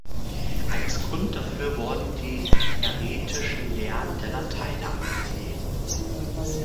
Als Grund dafür wurden die "häretische Lehren der Lateiner" angegeben.